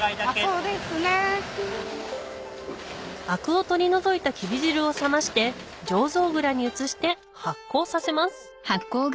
アクを取り除いたきび汁を冷まして醸造蔵に移して発酵させます